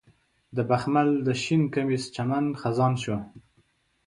د بخمل د شین کمیس چمن خزان شو